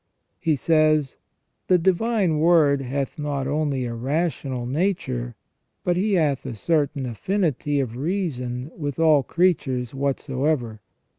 He says : "The Divine Word hath not only a rational nature, but He hath a certain affinity of reason with all creatures whatsoever.